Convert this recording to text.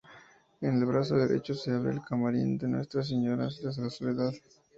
En el brazo derecho se abre el camarín de Nuestra Señora de la Soledad.